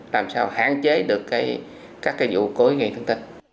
làm sao hạn chế được các cái vụ cối ghi thân tích